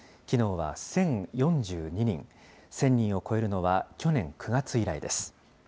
きのうは１０４２人、１０００人を超えるのは去年９月以来です。